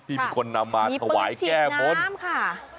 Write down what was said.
มีปืนฉี่น้ำค่ะที่พวกมีคนนำมาถวายแก้บน